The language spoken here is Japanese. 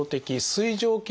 水蒸気？